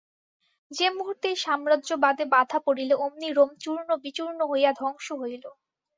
যে মুহূর্তে এই সাম্রজ্যবাদে বাধা পড়িল, অমনি রোম চূর্ণ-বিচূর্ণ হইয়া ধ্বংস হইল।